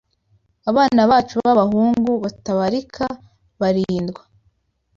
abana bacu b’abahungu batabarika barindwa